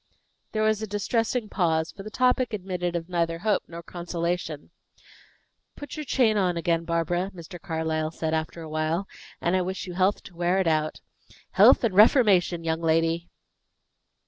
There was a distressing pause, for the topic admitted of neither hope nor consolation. "Put your chain on again, Barbara," Mr. Carlyle said, after a while, "and I wish you health to wear it out. Health and reformation, young lady!"